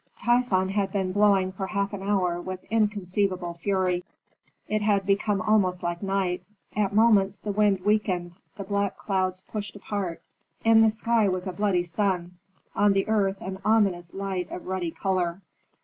Typhon had been blowing for half an hour with inconceivable fury. It had become almost like night. At moments the wind weakened, the black clouds pushed apart; in the sky was a bloody sun, on the earth an ominous light of ruddy color.